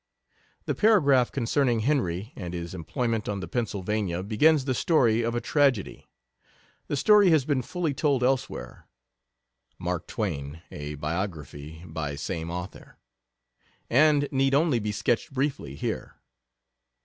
The paragraph concerning Henry, and his employment on the Pennsylvania, begins the story of a tragedy. The story has been fully told elsewhere, [Mark Twain: A Biography, by same author.] and need only be sketched briefly here.